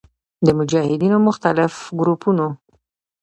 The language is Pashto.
د مجاهدینو مختلف ګروپونو